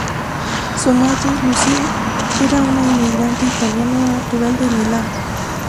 Su madre, Lucia, era una inmigrante italiana natural de Milán.